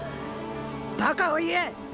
バカを言え！